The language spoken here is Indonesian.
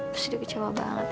pasti dia kecewa banget ya